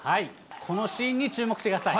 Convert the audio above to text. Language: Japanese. このシーンに注目してください。